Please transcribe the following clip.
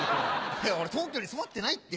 いや俺東京に染まってないって。